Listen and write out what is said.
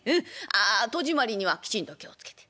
ああ戸締まりにはきちんと気を付けて。